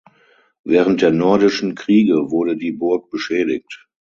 Während der Nordischen Kriege wurde die Burg beschädigt.